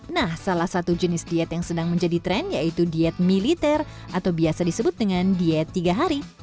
nah salah satu jenis diet yang sedang menjadi tren yaitu diet militer atau biasa disebut dengan diet tiga hari